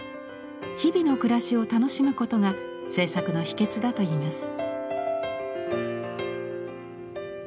日々の暮らしを楽しむことが制作の秘けつだと言います。